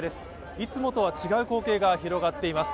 いつもとは違う光景が広がっています。